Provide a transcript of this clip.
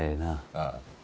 ああ。